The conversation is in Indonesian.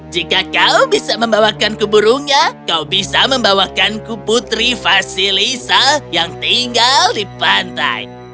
jika kau bisa membawakanku burungnya kau bisa membawakanku putri vasilisa yang tinggal di pantai